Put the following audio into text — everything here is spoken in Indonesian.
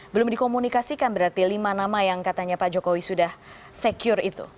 belum dikomunikasikan berarti lima nama yang katanya pak jokowi sudah secure itu